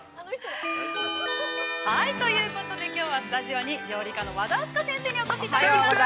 ◆ということできょうは、きょうはスタジオに、料理家の和田明日香先生にお越しいただきました。